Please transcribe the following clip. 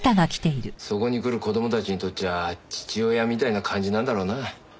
そこに来る子供たちにとっちゃ父親みたいな感じなんだろうな。